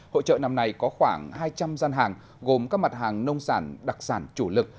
hội trợ năm nay có khoảng hai trăm linh gian hàng gồm các mặt hàng nông sản đặc sản chủ lực